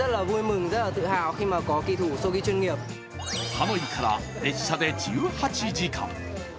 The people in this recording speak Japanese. ハノイから列車で１８時間。